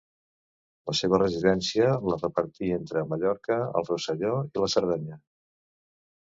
La seva residència la repartí entre Mallorca, el Rosselló i la Cerdanya.